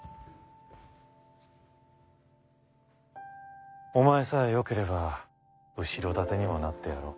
回想お前さえよければ後ろ盾にもなってやろう。